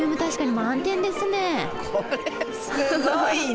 これすごいな。